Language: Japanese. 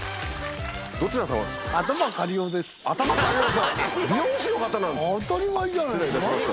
どちら様ですか？